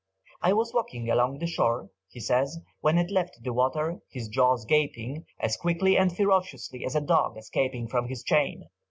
"I was walking along the shore," he says, "when it left the water, his jaws gaping, as quickly and ferociously as a dog escaping from his chain.